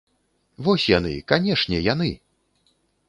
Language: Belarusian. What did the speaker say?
Вось яны, канешне, яны!